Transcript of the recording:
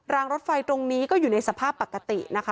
รถไฟตรงนี้ก็อยู่ในสภาพปกตินะคะ